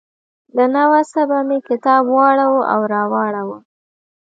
له نه وسه به مې کتاب واړاوه او راواړاوه.